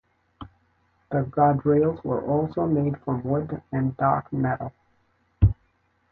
The guardrails were also made from wood and dark metal.